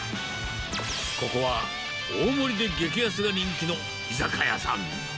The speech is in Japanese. ここは大盛りで激安が人気の居酒屋さん。